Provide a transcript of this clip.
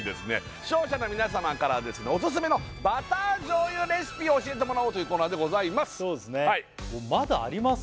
視聴者の皆様からオススメのバター醤油レシピを教えてもらおうというコーナーでございますそうですねまだあります？